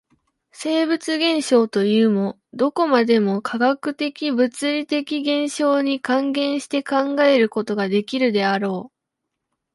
生物現象というも、どこまでも化学的物理的現象に還元して考えることができるであろう。